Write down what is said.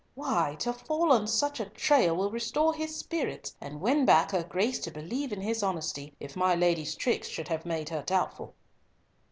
Why, to fall on such a trail will restore his spirits, and win back her Grace to believe in his honesty, if my lady's tricks should have made her doubtful."